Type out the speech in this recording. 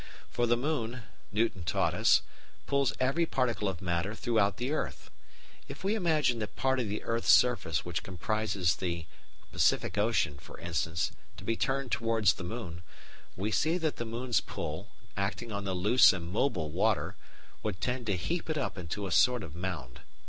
For the moon, Newton taught us, pulls every particle of matter throughout the earth. If we imagine that part of the earth's surface which comprises the Pacific Ocean, for instance, to be turned towards the moon, we see that the moon's pull, acting on the loose and mobile water, would tend to heap it up into a sort of mound.